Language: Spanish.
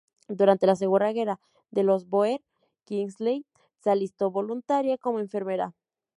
Durante la Segunda Guerra de los bóer, Kingsley se alistó voluntaria como enfermera.